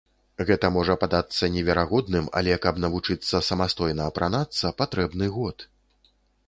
Гэта можа падацца неверагодным, але каб навучыцца самастойна апранацца, патрэбны год.